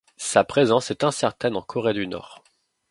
Sa présence est incertaine en Corée du Nord.